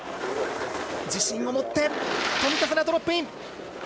自信を持って冨田せな、ドロップイン。